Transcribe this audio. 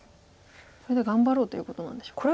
これで頑張ろうということなんでしょうか。